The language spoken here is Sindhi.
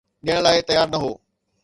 ڏيڻ لاءِ تيار نه هو.